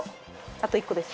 あと１個です。